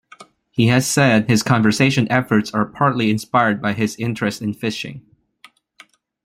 He has said his conservation efforts are partly inspired by his interest in fishing.